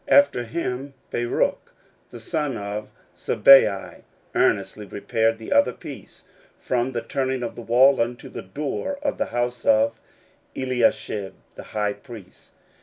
16:003:020 After him Baruch the son of Zabbai earnestly repaired the other piece, from the turning of the wall unto the door of the house of Eliashib the high priest.